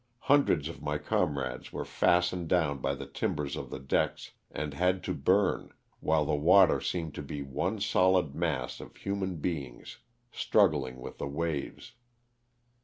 Hundreds of my comrades were fastened down by the timbers of the decks and had to burn, while the water seemed to be one solid mass cf human beings struggling with the waves.